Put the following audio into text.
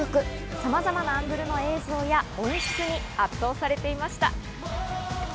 さまざまなアングルの映像や音質に圧倒されていました。